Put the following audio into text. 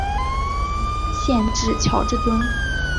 县治乔治敦。